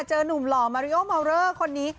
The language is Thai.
หนุ่มหล่อมาริโอเมาเลอร์คนนี้